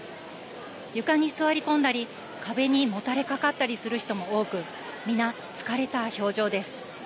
床に座り込んだり壁にもたれかかったりする人も多く、皆、疲れた表情です。